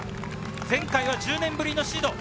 前回は１０年ぶりのシード。